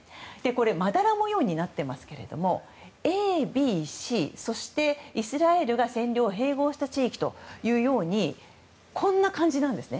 まだら模様になっていますけどＡＢＣ、そしてイスラエルが占領併合した地域というようにこんな感じなんです。